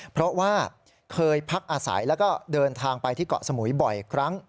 เพราะว่าเคยพักอาศัยแล้วก็เดินทางไปที่เกาะสมุยบ่อยครั้ง